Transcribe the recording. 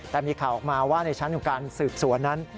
แต่มีข่าวออกมาว่าในชั้นของการสืบสวนนั้น